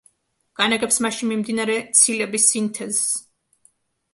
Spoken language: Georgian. განაგებს მასში მიმდინარე ცილების სინთეზს.